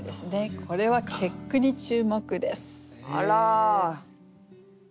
これは結句に注目です。